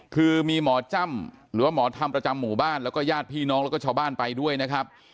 คือมีหมอจ้ำหรือว่าหมอธรรมประจำหมู่บ้านแล้วก็ญาติพี่น้องแล้วก็ชาวบ้านไปด้วยนะครับ